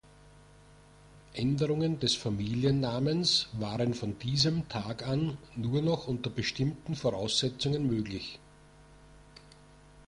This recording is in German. Änderungen des Familiennamens waren von diesem Tag an nur noch unter bestimmten Voraussetzungen möglich.